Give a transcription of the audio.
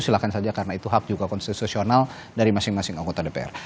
silahkan saja karena itu hak juga konstitusional dari masing masing anggota dpr